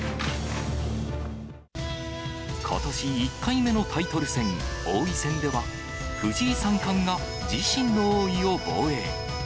ことし１回目のタイトル戦、王位戦では、藤井三冠が自身の王位を防衛。